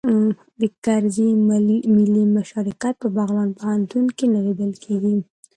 د کرزي ملي مشارکت په بغلان پوهنتون کې نه لیدل کیږي